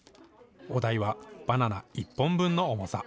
お題はバナナ１本分の重さ。